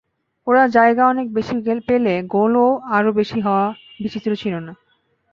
ওরা জায়গা অনেক বেশি পেলে গোলও আরও বেশি হওয়া বিচিত্র ছিল না।